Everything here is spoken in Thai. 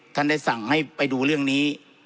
ท่านได้สั่งให้ไปดูเรื่องนี้